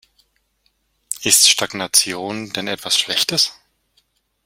Ist Stagnation denn etwas Schlechtes?